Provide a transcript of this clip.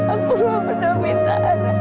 aku gak pernah minta